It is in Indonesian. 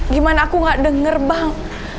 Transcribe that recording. gimana aku gak denger bang